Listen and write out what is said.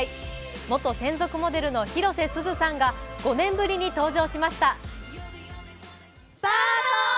元専属モデルの広瀬すずさんが５年ぶりに登場しました。